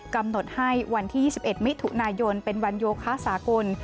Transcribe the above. กำหนดให้วันที่๒๑มิถุนายนเป็นวันโยคะสากล